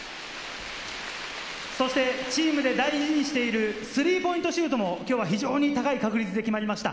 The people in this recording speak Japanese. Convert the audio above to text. そしてチームで大事にしているスリーポイントシュートも今日非常に高い確率で決まりました。